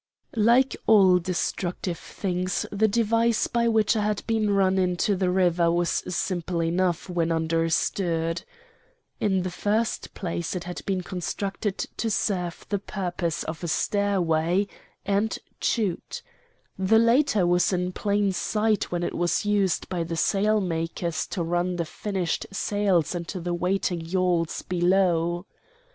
"Like all destructive things the device by which I had been run into the river was simple enough when understood. In the first place it had been constructed to serve the purpose of a stairway and chute. The latter was in plain sight when it was used by the sailmakers to run the finished sails into the waiting yawls below.